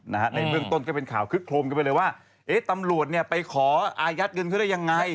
ในเบื้องต้นก็เป็นข่าวคึกโครมกันไปเลยว่าเอ๊ะตำรวจเนี่ยไปขออายัดเงินเขาได้ยังไง